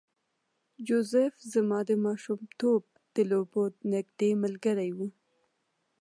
جوزف زما د ماشومتوب د لوبو نږدې ملګری و